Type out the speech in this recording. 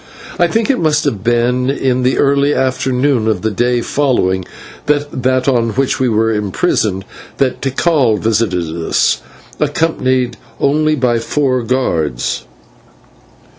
I think it must have been in the early afternoon of the day following that on which we were imprisoned, that Tikal visited us, accompanied only by four guards.